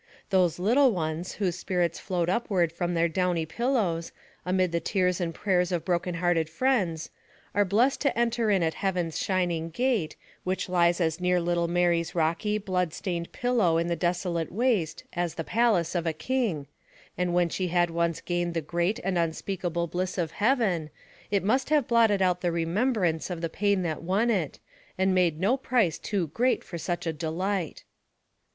Those little ones, whose spirits float upward from their downy pil lows, amid the tears and prayers of broken hearted friends, are blest to enter in at heaven's shining gate, which lies as near little Mary's rocky, blood stained pillow in the desolate waste as the palace of a king, and when she had once gained the great and unspeak able bliss of heaven, it must have blotted out the remembrance of the pain that won it, and made no price too great for such delight.